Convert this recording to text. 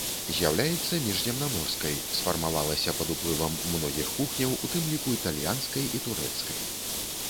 З'яўляецца міжземнаморскай, сфармавалася пад уплывам многіх кухняў, у тым ліку італьянскай і турэцкай.